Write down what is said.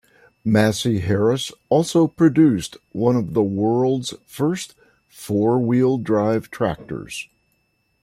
Massey Harris also produced one of the world's first four-wheel drive tractors.